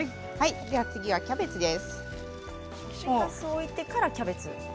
次はキャベツです。